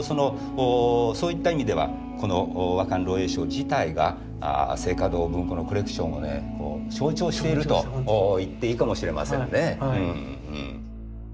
そういった意味ではこの「倭漢朗詠抄」自体が静嘉堂文庫のコレクションをね象徴しているといっていいかもしれませんね。